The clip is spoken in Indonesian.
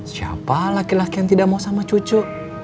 siapa laki laki yang tidak mau sama cucu